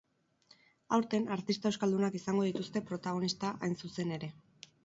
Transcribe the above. Aurten, artista euskaldunak izango dituzte protagonista hain zuzen ere.